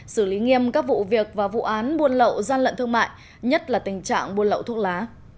xử lý nghiêm các vụ việc và vụ án buôn lậu gian lận thương mại nhất là tình trạng buôn lậu thuốc lá